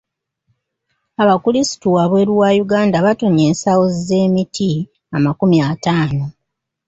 Abakulisitu wabweru wa Uganda batonye ensawo za seminti amakumi ataano.